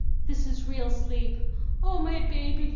this is real sleep! Oh, my baby!